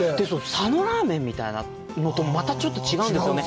佐野ラーメンみたいなのともまた違うんですよね。